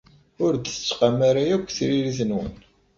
Ur d-tettqam ara akk tririt-nwen.